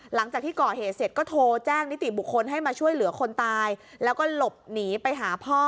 หลังจากที่ก่อเหตุเสร็จ